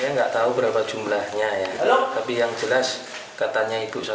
saya nggak tahu berapa jumlahnya tapi yang jelas katanya itu rp satu lima ratus